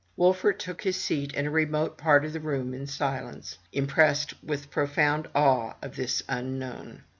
Wolfert took his seat in a remote part of the room in silence; impressed with profound awe of this unknown.